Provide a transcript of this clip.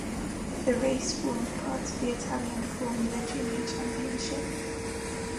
The race formed part of the Italian Formula Junior Championship.